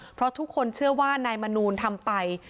เพราะทุกคนเชื่อว่านายมนูลทำไป